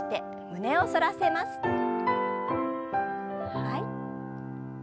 はい。